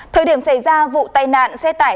thời điểm xảy ra vụ tai nạn xe tải